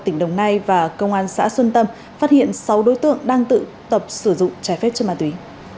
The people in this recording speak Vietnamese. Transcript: tỉnh đồng nai và công an xã xuân tâm phát hiện sáu đối tượng đang tự tập sử dụng trái phép trên ma túy